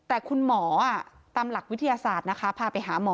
แต่คุณหมอตามหลักวิทยาศาสตร์นะคะพาไปหาหมอ